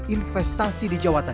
bahkan di sisi sumber